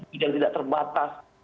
bidang tidak terbatas